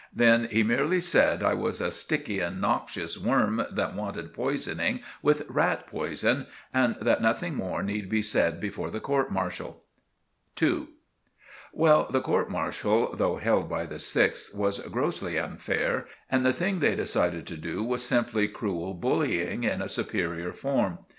Then he merely said I was a sticky and noxious worm that wanted poisoning with rat poison, and that nothing more need be said before the court martial. *II* Well, the court martial, though held by the sixth, was grossly unfair, and the thing they decided to do was simply cruel bullying in a superior form.